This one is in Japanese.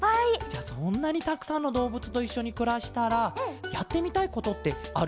じゃそんなにたくさんのどうぶつといっしょにくらしたらやってみたいことってあるケロ？